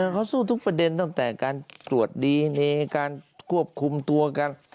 เขาสู้ทุกประเด็นตั้งแต่การตรวจดีในการควบคุมตัวกัน